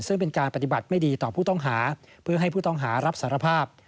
ซึ่งเป็นการปฏิบัติไม่ดีต่อผู้ต้องหาเพื่อให้ผู้ต้องหารับสารภาพ